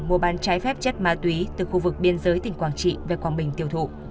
mua bán trái phép chất ma túy từ khu vực biên giới tỉnh quảng trị về quảng bình tiêu thụ